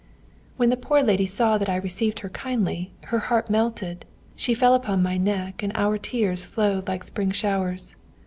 "When the poor lady saw that I received her kindly, her heart melted; she fell upon my neck, and our tears flowed like spring showers.